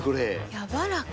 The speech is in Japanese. やわらか。